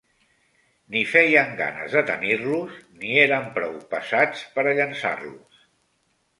Ni feien ganes de tenir-los, ni eren prou passats pera llençar-los.